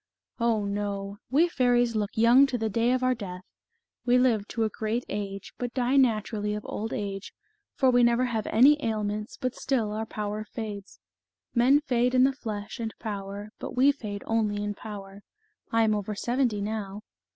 " Oh, no ! we fairies look young to the day of our death ; we live to a great age, but die naturally of old age, for we never have any ailments, but still our power fades. Men fade in the flesh and power, but we fade only in power. I am over seventy now."